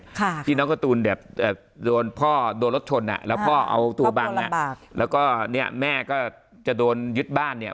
คดีน้องกระตูลแบบโดนพ่อโดนรถชนแล้วพ่อเอาตูบังแล้วก็เนี่ยแม่ก็จะโดนยึดบ้านเนี่ย